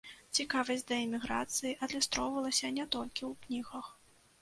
Цікавасць да эміграцыі адлюстравалася не толькі ў кнігах.